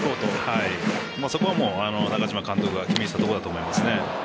そこはもう中嶋監督が決めていたところだと思います。